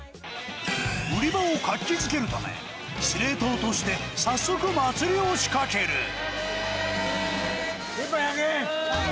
売り場を活気づけるため、司令塔として、早速祭りを仕掛ける。